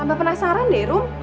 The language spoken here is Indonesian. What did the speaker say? ampah penasaran deh rum